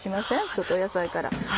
ちょっと野菜から。